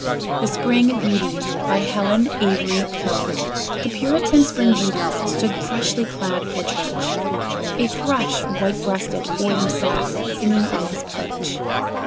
THE SPRING BEAUTIES BY HELEN AVERY CONE The Puritan Spring Beauties stood freshly clad for church; A thrush, white breasted, o'er them sat singing on his perch.